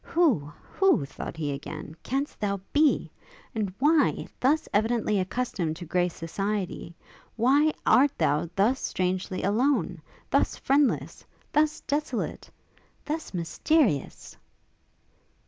Who, who, thought he again, can'st thou be? And why, thus evidently accustomed to grace society, why art thou thus strangely alone thus friendless thus desolate thus mysterious?